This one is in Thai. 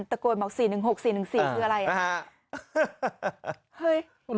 ตะโกยเหมาะสี่หนึ่งหกสี่หนึ่งสิบอ่าขึ้นหรือไรอ่าฮะเฮ้ย